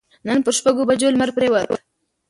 نن پر شپږ بجو لمر پرېوت.